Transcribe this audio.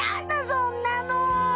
そんなの。